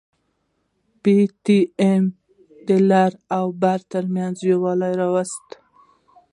پي ټي ايم د لر او بر ترمنځ يووالي راوست.